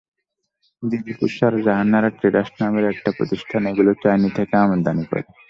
দিলকুশার Jahanara traders নামের একটি প্রতিষ্ঠান এগুলো চীন থেকে আমদানি করে।